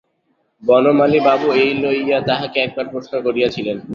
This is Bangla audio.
বনমালীবাবু এ লইয়া তাঁহাকে একবার প্রশ্ন করিয়াছিলেন।